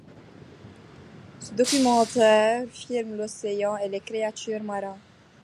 Ce documentaire filme l'océan et les créatures marines.